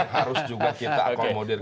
yang harus juga kita akomodirkan